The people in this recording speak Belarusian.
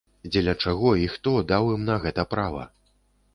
Дзеля чаго і хто даў ім на гэта права?